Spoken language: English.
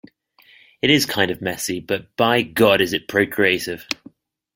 It is kind of messy, but by God it is procreative!